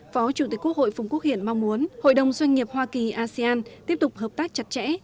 phó chủ tịch quốc hội phùng quốc hiển mong muốn hội đồng doanh nghiệp hoa kỳ asean tiếp tục hợp tác chặt chẽ